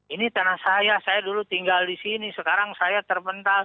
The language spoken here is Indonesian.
ini tanah saya saya dulu tinggal di sini sekarang saya terpental